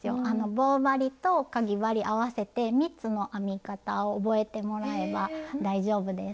棒針とかぎ針合わせて３つの編み方を覚えてもらえば大丈夫です。